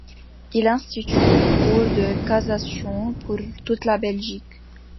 Il institue une Cour de cassation pour toute la Belgique.